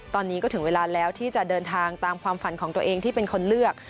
ตอนนี้ก็ถึงเวลาแล้วที่จะเดินทางตามความฝันของตัวเองที่เป็นคนเลือก